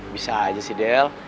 bisa aja sih del